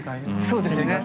そうですね。